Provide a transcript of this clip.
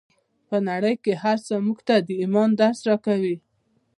په نړۍ کې هر څه موږ ته د ایمان درس راکوي